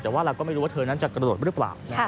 แต่ว่าเราก็ไม่รู้ว่าเธอนั้นจะกระโดดหรือเปล่า